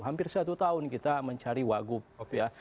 hampir satu tahun kita mencari wagub ya